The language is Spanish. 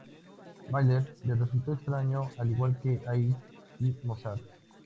Mahler le resultó extraño, al igual que Haydn y Mozart.